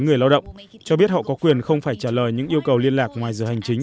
người lao động cho biết họ có quyền không phải trả lời những yêu cầu liên lạc ngoài giờ hành chính